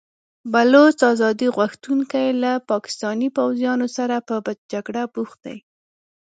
بلوڅ ازادي غوښتونکي له پاکستاني پوځیانو سره په جګړه بوخت دي.